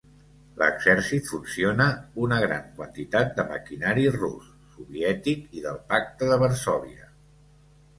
L'Exèrcit funciona una gran quantitat de maquinari rus, soviètic i del Pacte de Varsòvia.